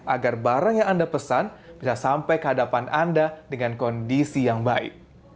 agar barang yang anda pesan bisa sampai ke hadapan anda dengan kondisi yang baik